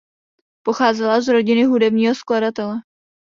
Pocházela z rodiny hudebního skladatele.